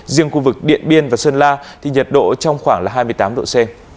riêng khu vực điện biên và sơn la thì nhiệt độ trong khoảng là hai mươi tám độ c